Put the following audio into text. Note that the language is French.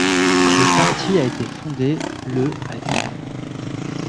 Le parti a été fondé le à Dublin.